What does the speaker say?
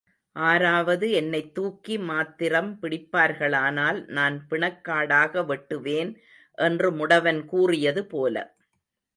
ஆராவது என்னைத் தூக்கி மாத்திரம் பிடிப்பார்களானால் நான் பிணக்காடாக வெட்டுவேன் என்று முடவன் கூறியது போல.